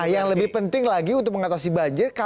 nah yang lebih penting lagi untuk mengatasi banjir kabar